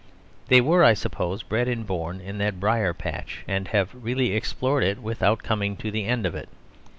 They were, I suppose, bred and born in that brier patch, and have really explored it without coming to the end of it.